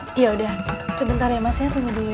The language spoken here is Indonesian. oh yaudah sebentar ya masnya tunggu dulu ya